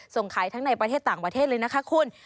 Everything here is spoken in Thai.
ส่งขายทั้งในประเทศต่างประเทศเลยนะคะคุณ